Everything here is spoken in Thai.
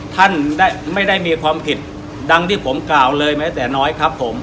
ท่านไม่ได้มีความผิดดังที่ผมกล่าวเลยแม้แต่น้อยครับผม